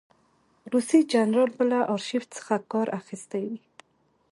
روسي جنرال به له آرشیف څخه کار اخیستی وي.